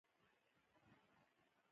بې محمده ص دايمي ملګري نه وو چېرته